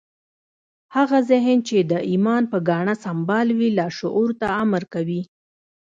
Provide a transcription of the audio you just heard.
هغه ذهن چې د ايمان په ګاڼه سمبال وي لاشعور ته امر کوي.